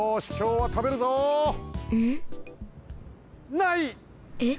ない！えっ？